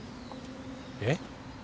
えっ？